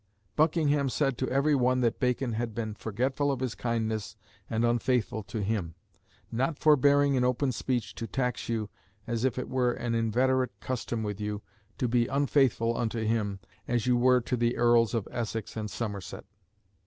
Buckingham said to every one that Bacon had been forgetful of his kindness and unfaithful to him: "not forbearing in open speech to tax you, as if it were an inveterate custom with you, to be unfaithful unto him, as you were to the Earls of Essex and Somerset."